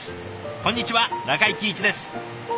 こんにちは中井貴一です。